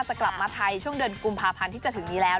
จะกลับมาไทยช่วงเดือนกุมภาพันธ์ที่จะถึงนี้แล้ว